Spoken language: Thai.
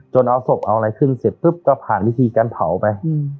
เอาศพเอาอะไรขึ้นเสร็จปุ๊บก็ผ่านวิธีการเผาไป